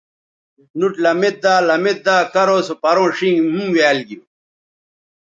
نُوٹ لمیدا لمیدا کرو سو پروں ݜینگ ھُمویال گی